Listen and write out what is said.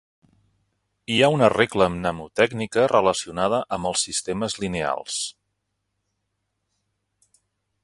Hi ha una regla mnemotècnica relacionada amb els sistemes lineals.